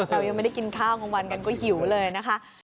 เรายังไม่ได้กินข้าวกลางวันกันก็หิวเลยนะคะ